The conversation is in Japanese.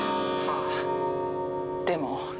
はあでも。